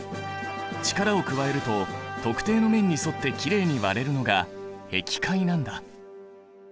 力を加えると特定の面に沿ってきれいに割れるのがへき開なんだ。